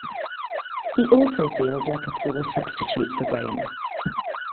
He also feels like a poor substitute for Graham.